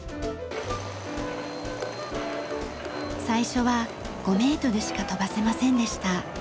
最初は５メートルしか飛ばせませんでした。